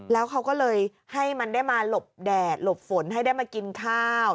แล้วเขาก็เลยให้มันได้มาหลบแดดหลบฝนให้ได้มากินข้าว